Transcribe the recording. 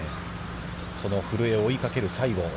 その古江を追いかける西郷。